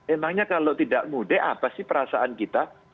emangnya kalau tidak mudik apa sih perasaan kita